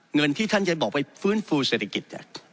เงินที่ท่านจะบอกไปฟื้นฟูเศรษฐกิจ